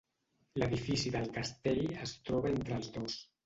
L'edifici del castell es troba entre el dos.